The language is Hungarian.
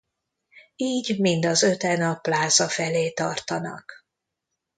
Így mind az öten a pláza felé tartanak.